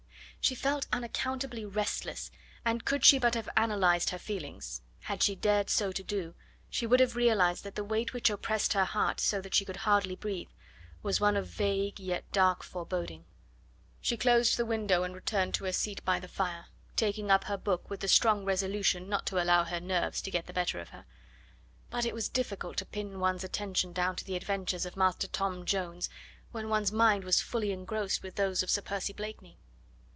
She felt unaccountably restless, and could she but have analysed her feelings had she dared so to do she would have realised that the weight which oppressed her heart so that she could hardly breathe, was one of vague yet dark foreboding. She closed the window and returned to her seat by the fire, taking up her hook with the strong resolution not to allow her nerves to get the better of her. But it was difficult to pin one's attention down to the adventures of Master Tom Jones when one's mind was fully engrossed with those of Sir Percy Blakeney.